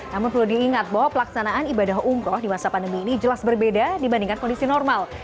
namun perlu diingat bahwa pelaksanaan ibadah umroh di masa pandemi ini jelas berbeda dibandingkan kondisi normal